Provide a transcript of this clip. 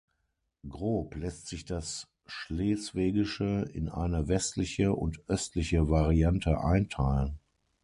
Grob lässt sich das Schleswigsche in eine westliche und östliche Variante einteilen.